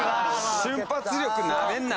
瞬発力なめんな！